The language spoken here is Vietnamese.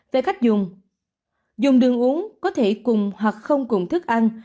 về cách dùng dùng đường uống có thể cùng hoặc không cùng thức ăn